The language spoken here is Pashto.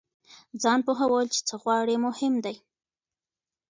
ځان پوهول چې څه غواړئ مهم دی.